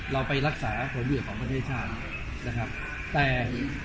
เราไปรักษาผลเหลือของประเทศชาตินะครับแต่